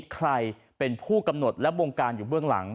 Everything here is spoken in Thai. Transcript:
ใครเป็นผู้กำหนดและวงการอยู่เบื้องหลัง